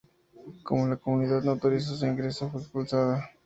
Como la comunidad no autorizó su ingreso, fue expulsada.